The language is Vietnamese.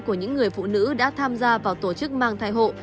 của những người phụ nữ đã tham gia vào tổ chức mang thai hộ